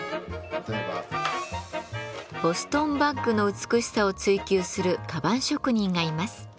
ボストンバッグの美しさを追求する鞄職人がいます。